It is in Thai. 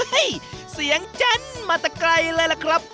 เฮ้ยเห้ยเสียงจะนมาตะไกลเลยนะครับ